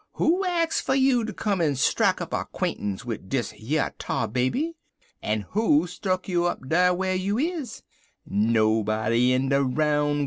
'Who ax you fer ter come en strike up a 'quaintance wid dish yer Tar Baby? En who stuck you up dar whar you iz? Nobody in de roun' worl'.